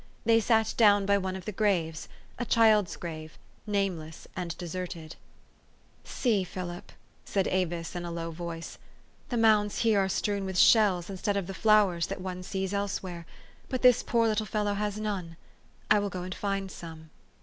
They sat down by one of the graves, a child's grave, nameless and deserted. 412 THE STORY OF AVIS. " See, Philip !" said Avis in a low voice, " the mounds here are strewn with shells, instead of the flowers that one sees elsewhere : but this poor little fellow has none ; I will go and find some."